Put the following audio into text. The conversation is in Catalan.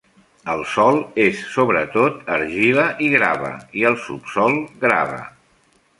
El sòl és sobretot argila i grava, i el subsol grava.